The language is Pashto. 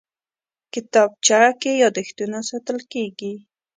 کتابچه کې یادښتونه ساتل کېږي